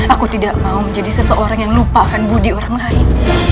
aku tidak mau menjadi seseorang yang lupakan bodi orang lain